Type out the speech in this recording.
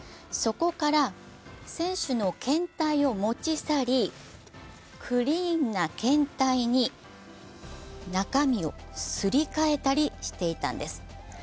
そこから選手の検体を持ち去り、クリーンな検体に中身をすり替えたりしていたんです。